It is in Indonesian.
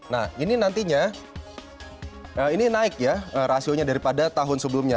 nah ini nantinya ini naik ya rasionya daripada tahun sebelumnya